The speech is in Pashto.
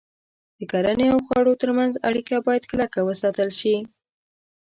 د کرنې او خوړو تر منځ اړیکه باید کلکه وساتل شي.